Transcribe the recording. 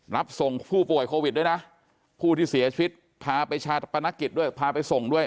รับส่งผู้ป่วยโควิดด้วยนะผู้ที่เสียชีวิตพาไปชาปนกิจด้วยพาไปส่งด้วย